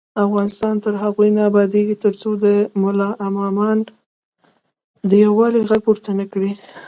افغانستان تر هغو نه ابادیږي، ترڅو ملا امامان د یووالي غږ پورته نکړي.